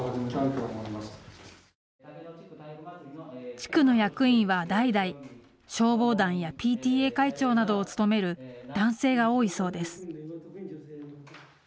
地区の役員は代々消防団やＰＴＡ会長などを務める男性が多いそうです。